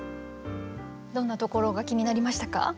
どんなところが気になりましたか？